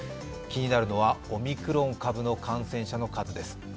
気になるのはオミクロン株の感染者の数です。